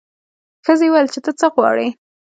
ښځې وویل چې ته څه غواړې.